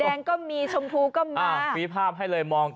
แดงก็มีชมพูก็มาอ่าวิภาพให้เลยมองกัน